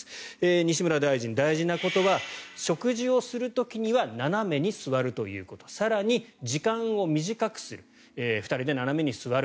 西村大臣、大事なことは食事をする時には斜めに座るということ更に時間を短くする２人で斜めに座る。